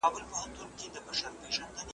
¬ د تيارې غم په رڼاکي خوره.